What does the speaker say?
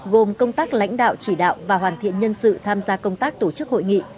gồm công tác lãnh đạo chỉ đạo và hoàn thiện nhân sự tham gia công tác tổ chức hội nghị